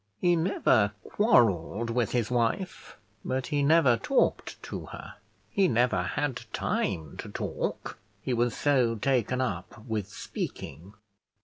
He never quarrelled with his wife, but he never talked to her; he never had time to talk, he was so taken up with speaking.